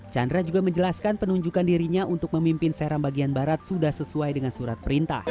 chandra juga menjelaskan penunjukan dirinya untuk memimpin seram bagian barat sudah sesuai dengan surat perintah